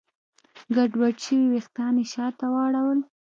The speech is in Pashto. ګډوډ شوي وېښتان يې شاته واړول.